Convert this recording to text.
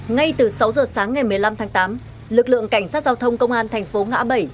ngay từ sáu giờ sáng ngày một mươi năm tháng tám lực lượng cảnh sát giao thông công an thành phố ngã bảy